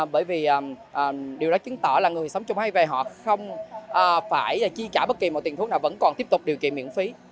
bởi vì điều đó chứng tỏ là người sống chung hiv họ không phải chi trả bất kỳ một tiền thuốc nào vẫn còn tiếp tục điều kiện miễn phí